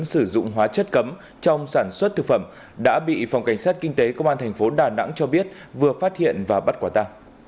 sử dụng hóa chất cấm trong sản xuất thực phẩm đã bị phòng cảnh sát kinh tế công an thành phố đà nẵng cho biết vừa phát hiện và bắt quả ta